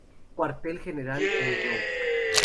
Cuartel General en Grove.